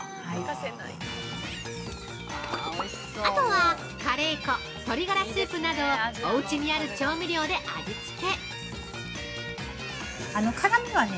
◆あとは、カレー粉鶏ガラスープなどおうちにある調味料で味つけ。